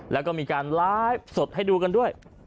แล้วก็มีการไลฟ์สดให้ดูกันด้วย